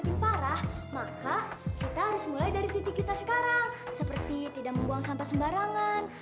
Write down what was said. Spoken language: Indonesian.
kita harus mulai dari titik titik sekarang seperti tidak membuang sampah sembarangan